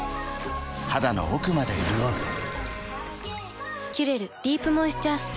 肌の奥まで潤う「キュレルディープモイスチャースプレー」